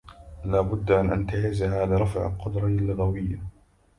لا بدَّ أن أنتهزها لرفع قدري اللّغويّة.